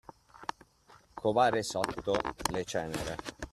Covare sotto le cenere.